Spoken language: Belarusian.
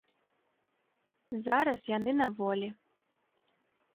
Зараз яны на волі.